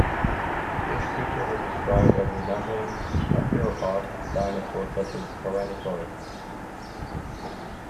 This creature was described as resembling a theropod dinosaur such as Tyrannosaurus.